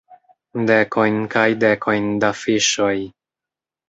Dekojn kaj dekojn da fiŝoj.